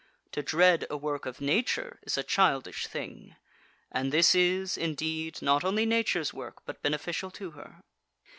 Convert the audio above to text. To dread a work of Nature is a childish thing, and this is, indeed, not only Nature's work, but beneficial to her.